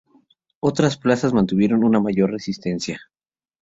Otros plazas mantuvieron una mayor resistencia.